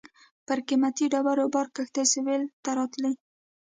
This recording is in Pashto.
پر قیمتي ډبرو بار کښتۍ سېویل ته راتلې.